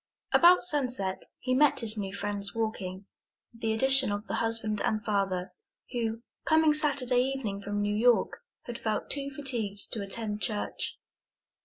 About sunset he met his new friends walking, with the addition of the husband and father, who, coming Saturday evening from New York, had felt too fatigued to attend church.